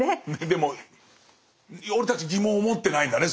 でも俺たち疑問を持ってないんだね